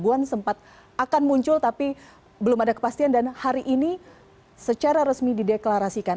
puan sempat akan muncul tapi belum ada kepastian dan hari ini secara resmi dideklarasikan